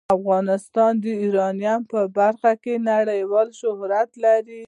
افغانستان د یورانیم په برخه کې نړیوال شهرت لري.